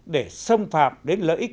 để xâm phạm đến lợi ích